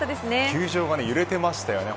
球場が揺れていましたね。